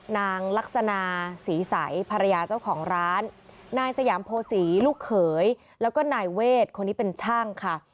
นางลักษณะศรีใสภรรยาเจ้าของร้านนายสยามโพศีลูกเขยแล้วก็นายเวทคนนี้เป็นช่างค่ะ